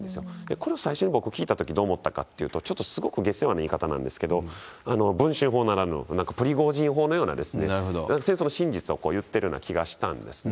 これを最初に僕聞いたとき、どう思ったかというと、ちょっとすごく下世話な言い方なんですけれども、文春砲ならぬ、プリゴジン砲のような戦争の真実をいってるような気がしたんですね。